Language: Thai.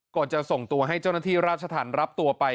ก่อนจะส่งตัวให้เจ้าหน้าที่ราชธรรมรับตัวไป